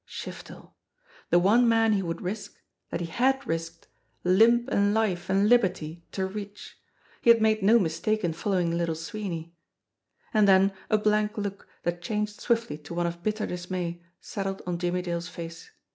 Shiftel ! The one man he would risk, that he had risked, limb and life and liberty to reach! He had made no mistake in following Little Sweeney! And then a blank look, that changed swiftly to one of bit ter dismay, settled on Jimmie Dale's face.